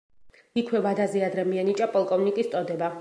იქვე ვადაზე ადრე მიენიჭა პოლკოვნიკის წოდება.